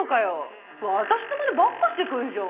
私のまねばっかしてくるじゃん！